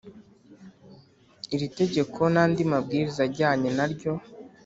iri tegeko n andi mabwiriza ajyanye na ryo.